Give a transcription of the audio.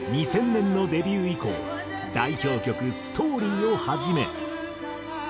２０００年のデビュー以降代表曲『Ｓｔｏｒｙ』を始め。